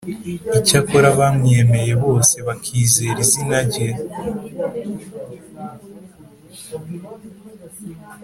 Icyakora abamwemeye bose, bakizera izina rye,